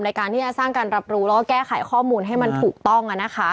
ในการที่จะสร้างการรับรู้แล้วก็แก้ไขข้อมูลให้มันถูกต้อง